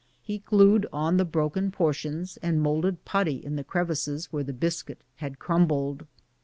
He glued on the broken portions and moulded putty in the crevices where the biscuit had crumbled.